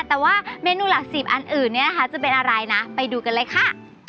แต่ว่าเมนูหลัก๑๐อันอื่นจะเป็นอะไรนะไปดูกันเลยค่ะ